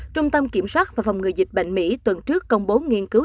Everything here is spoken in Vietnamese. trung tâm kiểm soát và phòng ngừa dịch bệnh mỹ tuần trước công bố nghiên cứu